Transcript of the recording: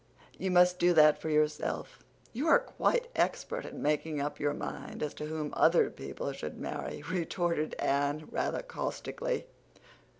"You must do that for yourself. You are quite expert at making up your mind as to whom other people should marry," retorted Anne, rather caustically.